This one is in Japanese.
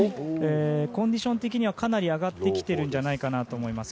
コンディション的にはかなり上がってきていると思います。